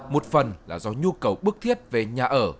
một phần là do nhu cầu bức thiết về nhà ở